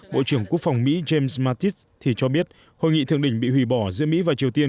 bộ trưởng quốc phòng mỹ james mattis thì cho biết hội nghị thượng đỉnh bị hủy bỏ giữa mỹ và triều tiên